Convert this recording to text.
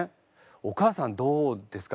お母さんどうですか？